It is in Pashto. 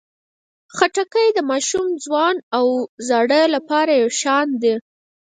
خټکی د ماشوم، ځوان او زاړه لپاره یو شان ده.